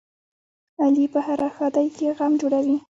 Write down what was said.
علي په هره ښادۍ کې غم جوړوي.